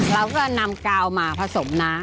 เราก็นำกาวมาผสมนะ